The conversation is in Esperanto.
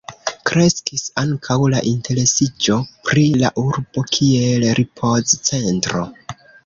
Kreskis ankaŭ la interesiĝo pri la urbo kiel ripoz-centro.